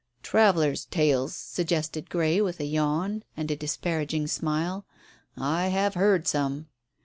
"Travellers' tales," suggested Grey, with a yawn and a disparaging smile. "I have heard some."